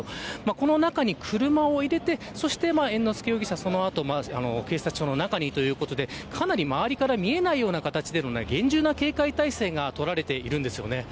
この中に車を入れてそして、その後猿之助容疑者が警察署の中にということでかなり周りから見えないように厳重な警戒態勢が取られているんです。